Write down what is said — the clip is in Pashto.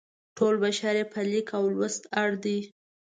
ټول بشر یې په لیک او لوست اړ دی.